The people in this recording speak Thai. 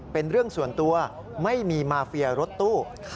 เป็นเรื่องส่วนตัวไม่มีมาเฟียรถตู้